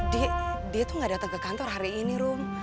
dia tuh gak datang ke kantor hari ini rum